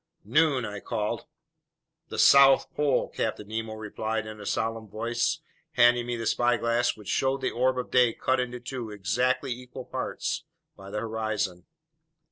"Noon!" I called. "The South Pole!" Captain Nemo replied in a solemn voice, handing me the spyglass, which showed the orb of day cut into two exactly equal parts by the horizon.